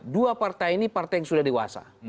dua partai ini partai yang sudah dewasa